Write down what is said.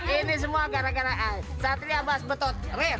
ini semua gara gara satria bas beton